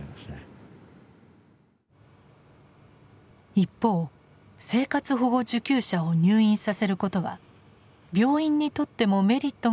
一方生活保護受給者を入院させることは病院にとってもメリットがあると話す専門家もいます。